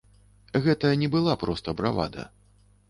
Гэта не была проста бравада.